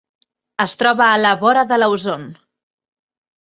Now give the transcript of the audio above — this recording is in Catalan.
Es troba a la vora de l'Auzon.